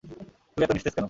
তুই এত নিস্তেজ কেন?